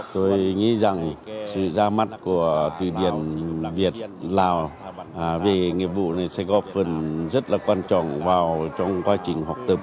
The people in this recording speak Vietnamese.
tôi nghĩ rằng sự ra mắt của thụy điển việt lào về nghiệp vụ này sẽ góp phần rất là quan trọng vào trong quá trình học tập